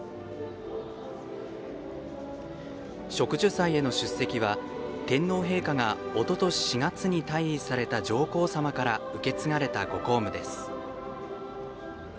植樹祭への出席は、天皇陛下がおととし４月に退位された上皇さまから受け継がれたご公務です。